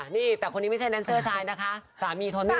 นี่แต่คนนี้ไม่ใช่แนนเซอร์ชายนะคะสามีทนไม่